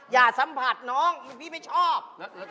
อย่าส้มผัสน้องคุณพี่ไม่ชอบ